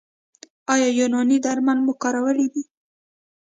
ایا یوناني درمل مو کارولي دي؟